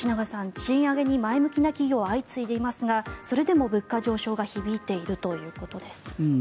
賃上げに前向きな企業は相次いでいますがそれでも物価上昇が響いているということです。